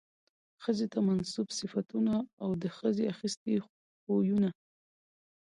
ښځې ته منسوب صفتونه او د ښځې اخىستي خوىونه